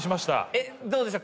えっどうでした？